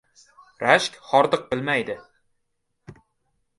• Rashk xordiq bilmaydi.